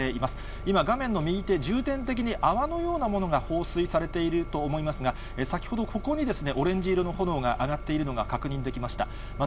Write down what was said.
今、画面の右手、重点的に泡のようなものが放水されていると思いますが、先ほどここにですね、オレンジ色の炎が上がっているのが確認できました。